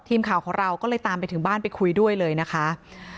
ทีมข่าวของเราก็เลยตามไปถึงบ้านไปคุยด้วยเลยนะคะ